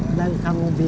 dijariakan kalau gak habis